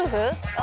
あ！